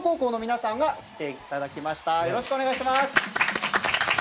よろしくお願いします！